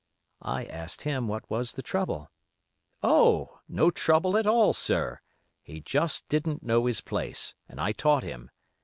I asked him what was the trouble. 'Oh! no trouble at all, sir; he just didn't know his place, and I taught him.